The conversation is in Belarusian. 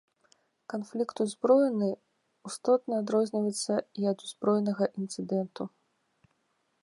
Канфлікт ўзброены істотна адрозніваецца і ад узброенага інцыдэнту.